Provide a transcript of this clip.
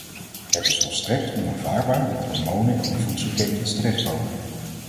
Het is volstrekt onaanvaardbaar dat hormonen in de voedselketens terechtkomen.